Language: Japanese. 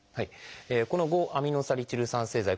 この５−アミノサリチル酸製剤。